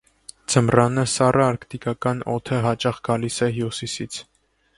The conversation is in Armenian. Ձմռանը սառը արկտիկական օդը հաճախ գալիս է հյուսիսից։